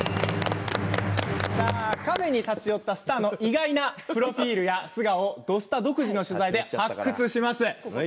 カフェに立ち寄ったスターの意外なプロフィールや素顔を「土スタ」独自の取材で発掘します。